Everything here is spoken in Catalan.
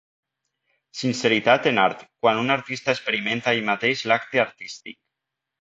Sinceritat en art: quan un artista experimenta ell mateix l'acte artístic.